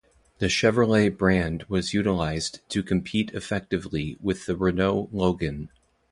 The Chevrolet brand was utilized to compete effectively with the Renault Logan.